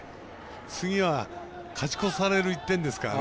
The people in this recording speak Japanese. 次は勝ち越される１点ですからね。